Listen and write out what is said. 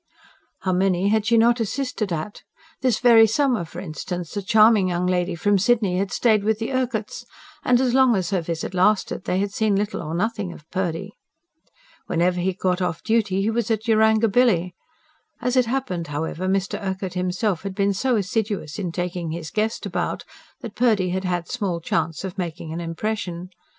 How many had she not assisted at! This very summer, for instance, a charming young lady from Sydney had stayed with the Urquharts; and, as long as her visit lasted, they had seen little or nothing of Purdy. Whenever he got off duty he was at Yarangobilly. As it happened, however, Mr. Urquhart himself had been so assiduous in taking his guest about that Purdy had had small chance of making an impression.